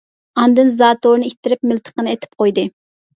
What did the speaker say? ئاندىن زاتورىنى ئىتتىرىپ مىلتىقنى ئېتىپ قويدى.